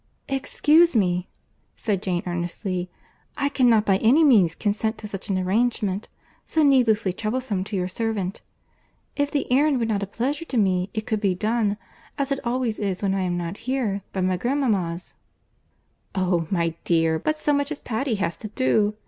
"Excuse me," said Jane earnestly, "I cannot by any means consent to such an arrangement, so needlessly troublesome to your servant. If the errand were not a pleasure to me, it could be done, as it always is when I am not here, by my grandmama's." "Oh! my dear; but so much as Patty has to do!